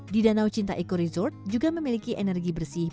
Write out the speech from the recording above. di danau cinta eco resort juga memiliki energi bersih